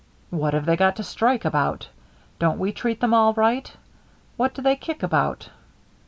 "What have they got to strike about? Don't we treat them all right? What do they kick about?"